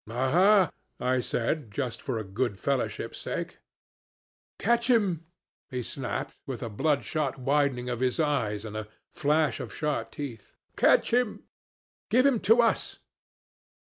'Aha!' I said, just for good fellowship's sake. 'Catch 'im,' he snapped, with a bloodshot widening of his eyes and a flash of sharp teeth 'catch 'im. Give 'im to us.'